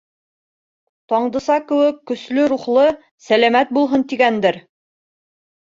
Таңдыса кеүек көслө рухлы, сәләмәт булһын тигәндер.